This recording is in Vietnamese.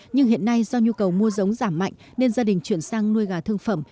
nhưng hiện nay do nhu cầu mua giống giảm mạnh nên gia đình chuyển sang nuôi gà thương phẩm